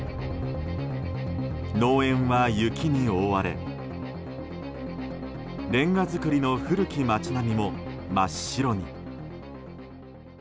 農園は雪に覆われレンガ造りの古き町並みも真っ白に。